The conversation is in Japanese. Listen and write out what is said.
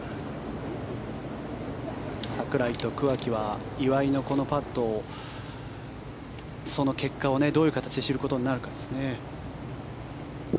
櫻井と桑木は岩井のこのパットをその結果を、どういう形で知ることになるかですね。